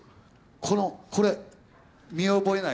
このこれ見覚えない？